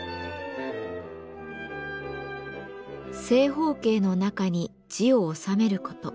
正方形の中に字を収める事。